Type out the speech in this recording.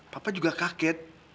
papa juga kaget